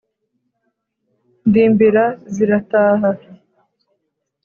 Ndimbira zirataha